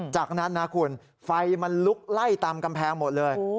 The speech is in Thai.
จากนั้นนะคุณไฟมันลุกไล่ตามกำแพงหมดเลย